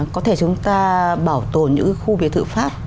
có thể chúng ta bảo tồn những khu biệt thự pháp